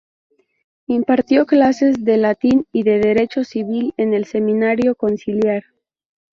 Impartió clases de latín y de derecho civil en el Seminario Conciliar.